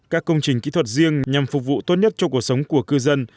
các công trình kỹ thuật riêng nhằm phục vụ tốt nhất cho cuộc sống của cư dân